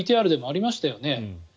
ＶＴＲでもありましたよね。